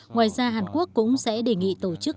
ngoài ra hàn quốc cũng sẽ đề nghị tổ chức